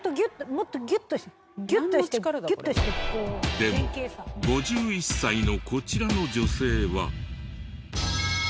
でも５１歳のこちらの女性は。